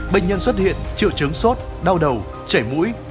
bệnh nhân xuất hiện triệu chứng sốt đau đầu chảy mũi